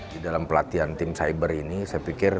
di dalam pelatihan tim cyber ini saya pikir